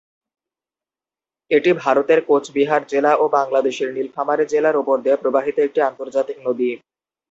এটি ভারতের কোচবিহার জেলা ও বাংলাদেশের নীলফামারী জেলার উপর দিয়ে প্রবাহিত একটি আন্তর্জাতিক নদী।